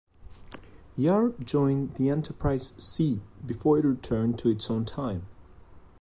Yar joined the "Enterprise"-C before it returned to its own time.